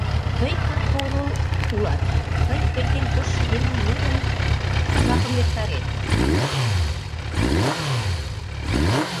Тый капка орол улат, тый, эртен коштшо еҥым лудын, жапым эртарет.